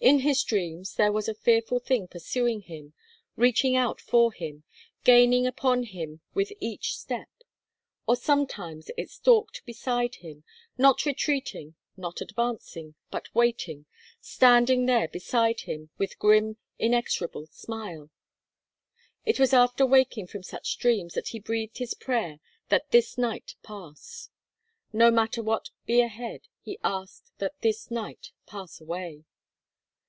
In his dreams, there was a fearful thing pursuing him, reaching out for him, gaining upon him with each step. Or sometimes, it stalked beside him, not retreating, not advancing, but waiting, standing there beside him with grim, inexorable smile. It was after waking from such dreams that he breathed his prayer that this night pass. No matter what be ahead, he asked that this night pass away.